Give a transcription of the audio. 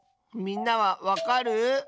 みんなはわかる？